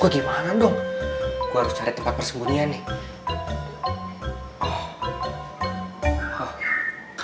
gimana dong harus tempat persembunyian nih